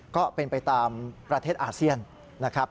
ก็เป็นไปตามประเทศอาเซียนนะครับ